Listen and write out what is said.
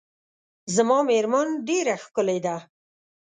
زما میرمن ډیره ښکلې ده .